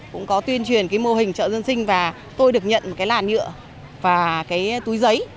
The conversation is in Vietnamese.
cũng có tuyên truyền mô hình chợ dân sinh và tôi được nhận làn nhựa và túi giấy